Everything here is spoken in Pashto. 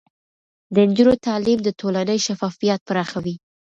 د نجونو تعليم د ټولنې شفافيت پراخوي.